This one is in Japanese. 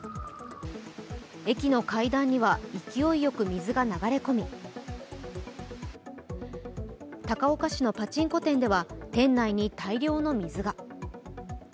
駅の階段には勢いよく水が流れ込み高岡市のパチンコ店では店内に大量の水が。